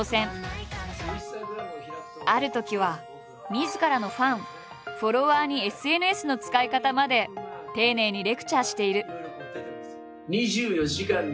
あるときはみずからのファンフォロワーにＳＮＳの使い方まで丁寧にレクチャーしている。